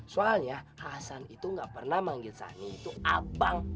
soalnya hasan itu gak pernah manggil sani itu abang